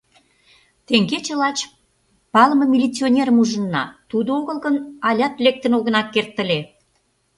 Теҥгече лач палыме милиционерым ужынна, тудо огыл гын, алят лектын огына керт ыле.